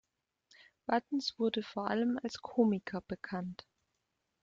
Buttons wurde vor allem als Komiker bekannt.